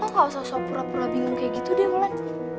lo gak usah pura pura bingung kayak gitu deh ulan